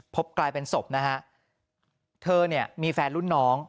กลายเป็นศพนะฮะเธอเนี่ยมีแฟนรุ่นน้อง